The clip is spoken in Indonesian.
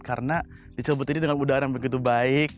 karena di cilebut ini dengan udara yang begitu baik